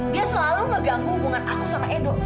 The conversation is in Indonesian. dia selalu ngeganggu hubungan aku sama endo